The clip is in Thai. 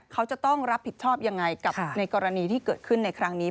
เขาจะต้องรับผิดชอบยังไงกับในกรณีที่เกิดขึ้นในครั้งนี้